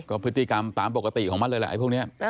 ก็พฤติกรรมตามปกติของมันเลยแหละไอ้พวกนี้